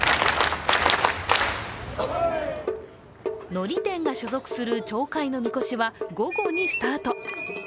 のり店が所属する町会の神輿は午後にスタート。